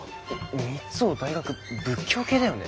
三生大学仏教系だよね？